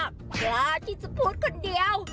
แป๊บน้อย